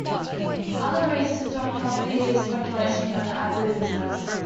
Other reasons were property speculation and agribusiness.